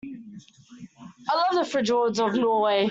I love the fjords of Norway.